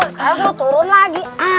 sekarang suruh turun lagi